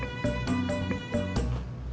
emangnya ada jok